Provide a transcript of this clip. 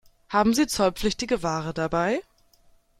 Haben Sie zollpflichtige Ware dabei?